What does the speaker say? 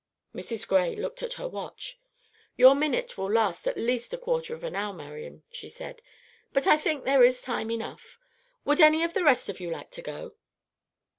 Mrs. Gray looked at her watch. "Your minute will be at least a quarter of an hour, Marian," she said; "but I think there is time enough. Would any of the rest of you like to go?"